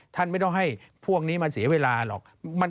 ท่านไม่ต้องให้พวกนี้มันเสียเวลาหรอก